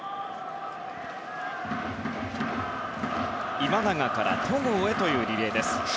今永から戸郷へというリレーです。